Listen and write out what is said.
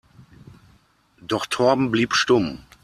Doch Torben blieb stumm.